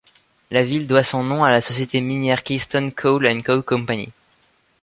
La ville doit son nom à la société minière Keystone Coal and Coke Company.